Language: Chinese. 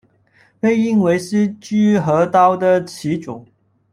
被认为是居合道的始祖。